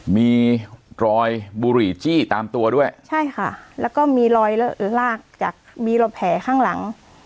มีรอยบุหรี่จี้ตามตัวด้วยใช่ค่ะแล้วก็มีรอยลากจากมีรอยแผลข้างหลัง